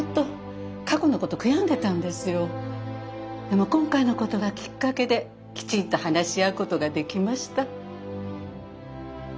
でも今回のことがきっかけできちんと話し合うことができました。